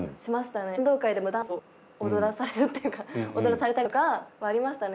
運動会でもダンスを踊らされるっていうか踊らされたりとかはありましたね。